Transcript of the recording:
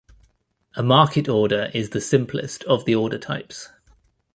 A market order is the simplest of the order types.